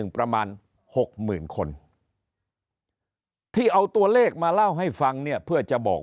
ประมาณ๖๐๐๐คนที่เอาตัวเลขมาเล่าให้ฟังเนี่ยเพื่อจะบอก